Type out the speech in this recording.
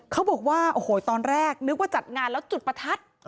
เขาบอกว่าโอ้โหตอนแรกนึกว่าจัดงานแล้วจุดประทัด